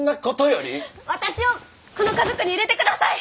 私をこの家族に入れて下さい！